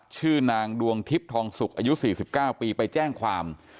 ชื่อนางดวงทิพย์ทองสุกอายุ๔๙ปีไปแจ้งความ